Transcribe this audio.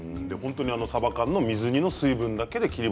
さば缶の水煮の水分だけで。